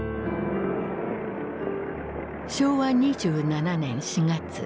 昭和２７年４月。